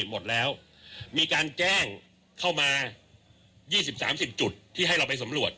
หมดแล้วมีการแจ้งเข้ามายี่สิบสามสิบจุดที่ให้เราไปสำรวจ